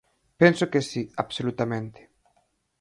Penso que si, absolutamente.